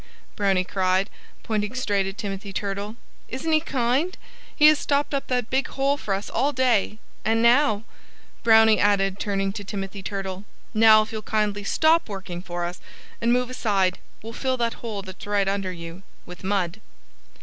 Brownie cried, pointing straight at Timothy Turtle. "Isn't he kind? He has stopped up that big hole for us all day.... And now" Brownie added, turning to Timothy Turtle "now if you'll kindly stop working for us and move aside we'll fill that hole that's right under you, with mud."